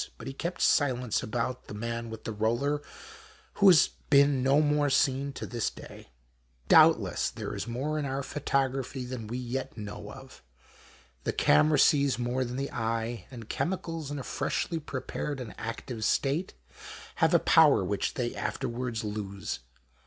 But lie kept silence about the man with the roller, wMio has been no more seen to this day. \ Doubtless there is more in our photography than we yet know of. The camera sees more than the eye, and chemicals in a freshly 16 THE MAN WITH THE EOLLEE. prepared and active state, have a power which they afterwards lose.